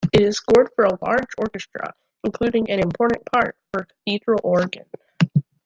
It is scored for a large orchestra, including an important part for cathedral organ.